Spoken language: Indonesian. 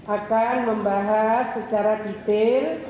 akan membahas secara detail